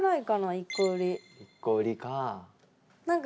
１コ売りか。